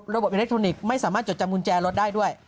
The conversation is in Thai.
อิเล็กทรอนิกส์ไม่สามารถจดจำกุญแจรถได้ด้วย